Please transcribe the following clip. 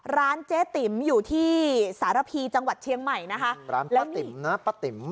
ร้านเจ๊ติ๋มอยู่ที่สารพีจังหวัดเชียงใหม่นะคะร้านป้าติ๋มนะป้าติ๋ม